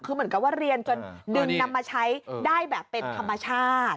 คือเหมือนกับว่าเรียนจนดึงนำมาใช้ได้แบบเป็นธรรมชาติ